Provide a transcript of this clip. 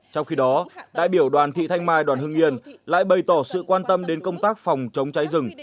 trong khi đó đại biểu đoàn thị thanh mai đoàn hương yên lại bày tỏ sự quan tâm đến công tác phòng chống cháy rừng